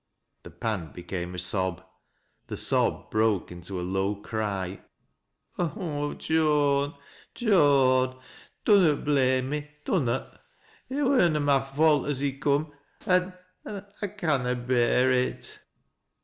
The pant became a sob — the sob broke into a low cry. '•' Oh, Joan ! Joan 1 dunnot blame me — dannot. It wui na my fault as he coom, an' — an' I canna bear it."